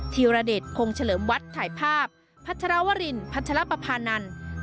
ธีรเดชคงเฉลิมวัดถ่ายภาพพัชรวรินพัชรปภานันทร์